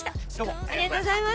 ありがとうございます。